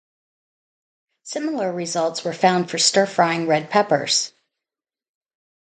Similar results were found for stir frying red peppers.